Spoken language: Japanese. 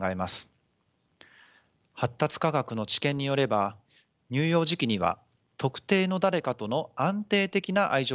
発達科学の知見によれば乳幼児期には特定の誰かとの安定的な愛情関係